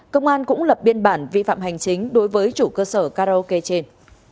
công an cũng lập biên bản vi phạm hành chính đối với chủ cơ sở karaoke trên